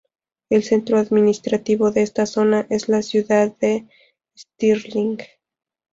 El centro administrativo de esta zona es la ciudad de Stirling.